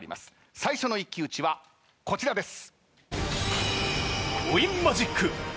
最初の一騎打ちはこちらです。